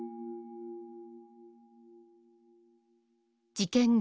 事件後